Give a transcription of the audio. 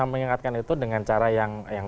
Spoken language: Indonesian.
mengingatkan itu dengan cara yang